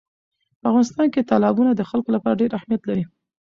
په افغانستان کې تالابونه د خلکو لپاره ډېر اهمیت لري.